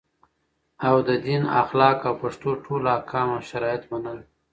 او د دین اخلاق او پښتو ټول احکام او شرایط منل